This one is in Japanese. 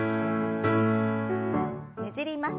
ねじります。